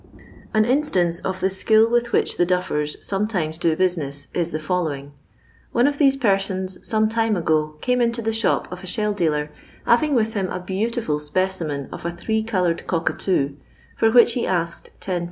An instance of the skill with which the duffers sometimes do business, is the following. One of these persons some time ago came into the shop of a shell dealer, having with him a beautiful speci men of a three coloured cockatoo, for which he asked 102.